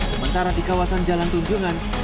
sementara di kawasan jalan tunjungan